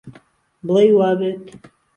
بڵەی وابێت